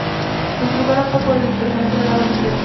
En su lugar, opta por permanecer al lado de Serah.